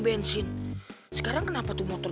bensin sekarang kenapa tuh motor